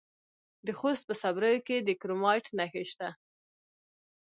د خوست په صبریو کې د کرومایټ نښې شته.